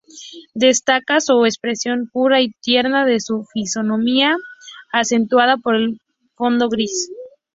Destaca su expresión pura y tierna de su fisonomía, acentuada por el fondo gris.